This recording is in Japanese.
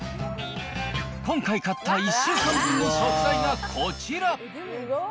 今回買った１週間分の食材がこちら。